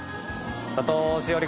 佐藤栞里